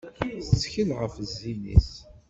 Tettkel ɣef zzin-is.